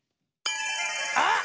あっ！